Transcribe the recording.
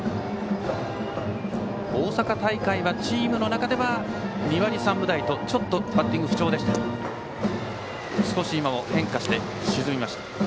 大阪大会ではチームの中では２割３分台とちょっとバッティングが不調だった谷口。